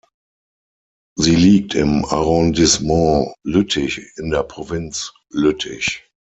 Sie liegt im Arrondissement Lüttich in der Provinz Lüttich.